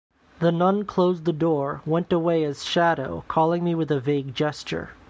The nun closed the door, went away as shadow, calling me with a vague gesture.